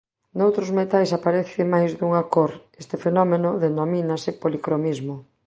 Noutros metais aparece máis dunha cor; este fenómeno denomínase policromismo.